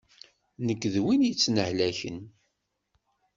Nekk d win yettnehlaken.